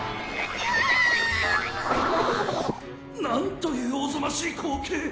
なんというおぞましい光景！